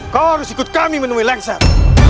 kau harus ikut kami menemui lengser